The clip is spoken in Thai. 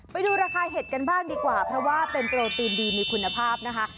ไปดูราคาเห็ดกันบ้างดีกว่าเพราะว่าเป็นโปรตีนดีมีคุณภาพนะคะ